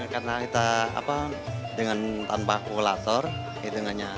karena kita apa dengan tanpa kalkulator hitungannya